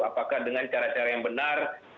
apakah dengan cara cara yang benar